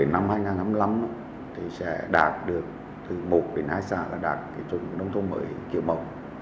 năm hai nghìn một mươi năm thị xã sẽ đạt được từ một đến hai xã là đạt chuẩn nông thôn mới kiểu mẫu